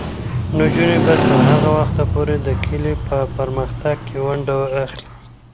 نجونې به تر هغه وخته پورې د کلي په پرمختګ کې ونډه اخلي.